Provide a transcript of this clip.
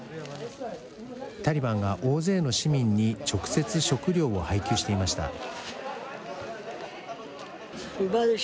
タリバンが大勢の市民に、直接、食料を配給していました。